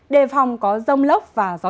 đề phòng có rông lốc và gió